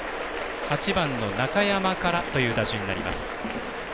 ８番の中山からという打順になります。